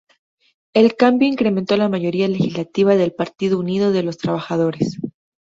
El cambio incrementó la mayoría legislativa del Partido Unido de los Trabajadores.